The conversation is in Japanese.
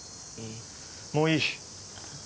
もういい。